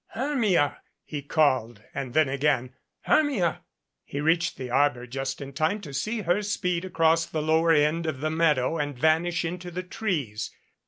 "Hermia !" he called, and then again, "Hermia !" He reached the arbor just in time to see her speed across the lower end of the meadow and vanish into the trees.